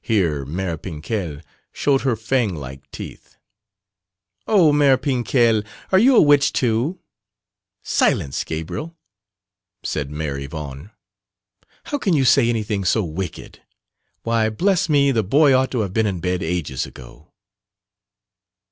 Here Mère Pinquèle showed her fang like teeth. "Oh! Mère Pinquèle, are you a witch too?" "Silence, Gabriel," said Mère Yvonne, "how can you say anything so wicked? Why, bless me, the boy ought to have been in bed ages ago."